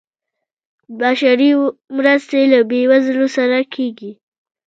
بشري مرستې له بیوزلو سره کیږي